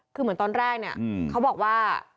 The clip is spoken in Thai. คือเหมือนตอนแรกเนี่ยเขาบอกว่า